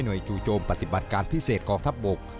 โดยจู่โจมปฏิบัติการพิเศษกองทัพบก